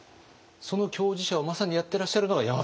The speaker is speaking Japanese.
その共事者をまさにやってらっしゃるのが山崎さん。